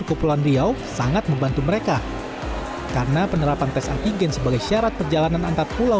kepulauan riau ansar ahmad resmi mencabut tes antigen sebagai syarat perjalanan antar pulau